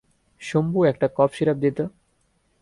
শম্ভু, একটা cough syrup দে তো।